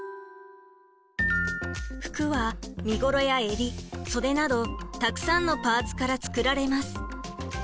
服は身ごろやえり袖などたくさんのパーツから作られます。